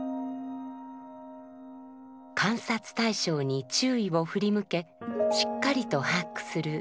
観察対象に注意を振り向けしっかりと把握する「念処」。